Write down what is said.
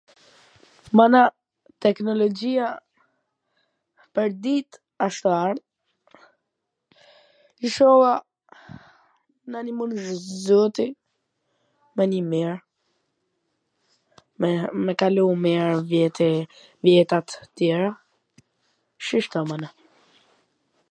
Mana, teknologjia pwr dit asht arm, ishalla na nimon zoti me ni mir, me kalu mir vjete vjeta tjera, shishta mana.